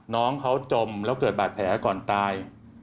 น้องเขาจมแล้วเกิดบาดแผลก่อนตาย